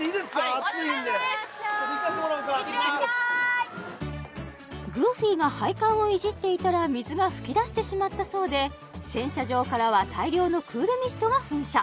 暑いので行かせてもらおうかグーフィーが配管をいじっていたら水が噴き出してしまったそうで洗車場からは大量のクールミストが噴射！